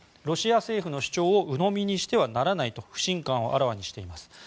ロシア政府の主張をうのみにしてはならないと不信感をあらわにしています。